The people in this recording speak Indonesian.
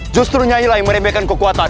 justru nyai lah yang meremehkan kekuatan